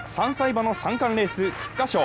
馬の三冠レース菊花賞。